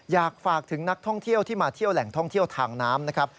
อยากฝากถึงนักท่องเที่ยวที่มาเที่ยวแหล่งท่องเที่ยวทางน้ำนะครับ